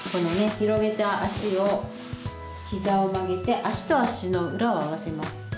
広げた足を膝を曲げて足と足の裏を合わせます。